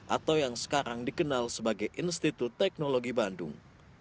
atau yang sekarang dikenal sebagai institut teknologi bandung